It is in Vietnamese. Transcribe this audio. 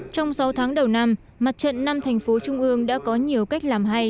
trong sáu tháng đầu năm mặt trận năm thành phố trung ương đã có nhiều cách làm hay